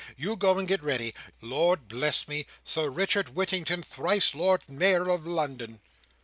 You go and get ready. Lord bless me! Sir Richard Whittington thrice Lord Mayor of London."